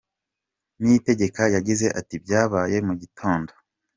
Niyitegeka yagize ati “Byabaye mu gitondo.